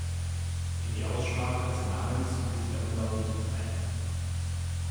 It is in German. In die Aussprache des Namens fließt der Umlaut nicht mit ein.